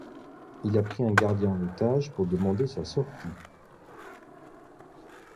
Il a pris un gardien en otage pour demander sa sortie.